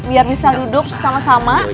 biar bisa duduk sama sama